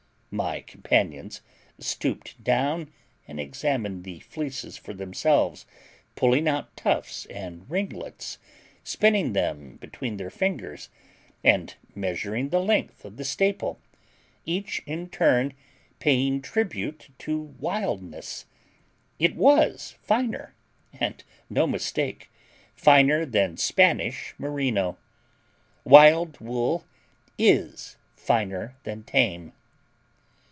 My companions stooped down and examined the fleeces for themselves, pulling out tufts and ringlets, spinning them between their fingers, and measuring the length of the staple, each in turn paying tribute to wildness. It WAS finer, and no mistake; finer than Spanish Merino. Wild wool IS finer than tame.